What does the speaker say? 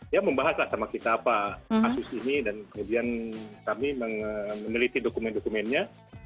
ya membahaslah sama kita apa kasus ini dan kemudian kami meneliti dokumen dokumennya